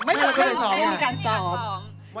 ไม่มีการเอาคุณการซ้อม